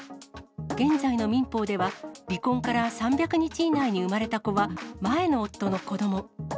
現在の民法では、離婚から３００日以内に産まれた子は前の夫の子ども。